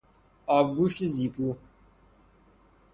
آبگوشت زیپو